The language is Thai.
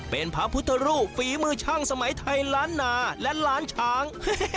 เป็นพระพุทธรูปฝีมือช่างสมัยไทยล้านนาและล้านช้าง